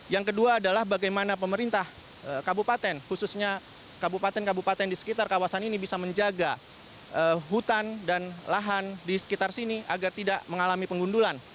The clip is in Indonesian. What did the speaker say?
yang kedua adalah bagaimana pemerintah kabupaten khususnya kabupaten kabupaten di sekitar kawasan ini bisa menjaga hutan dan lahan di sekitar sini agar tidak mengalami pengundulan